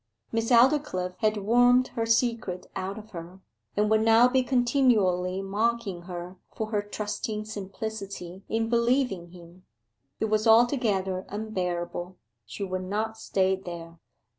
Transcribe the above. Miss Aldclyffe had wormed her secret out of her, and would now be continually mocking her for her trusting simplicity in believing him. It was altogether unbearable: she would not stay there.